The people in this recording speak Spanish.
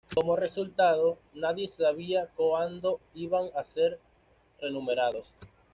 Como resultado, nadie sabía cuando iban a ser remunerados.